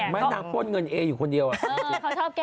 แม้นางป้นเงินเอะอยู่คนเดียวอะ